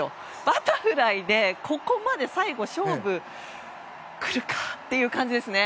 バタフライで、ここまで最後、勝負くるかっていう感じですね。